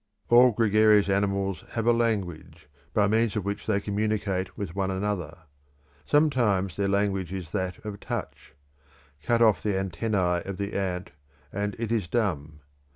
All gregarious animals have a language, by means of which they communicate with one another, Some times their language is that of touch: cut off the antennae of the ant, and it is dumb.